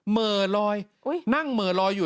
เมอรอยนั่งเมอรอยอยู่